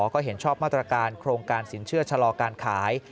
ก็เห็นชอบมาตรการโครงการสินเชื่อชะลอการขาย